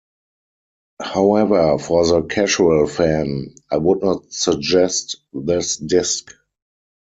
However, for the casual fan, I would not suggest this disc.